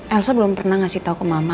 elsa belum pernah ngasih tahu ke mama